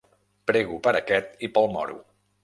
Prego per aquest i pel moro.